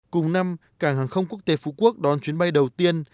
cùng năm cảng hàng không quốc tế phú quốc đón chuyến bay đầu tiên